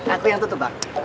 aku yang tutup bang